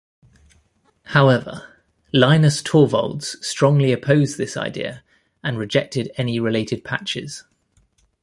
However, Linus Torvalds strongly opposed this idea and rejected any related patches.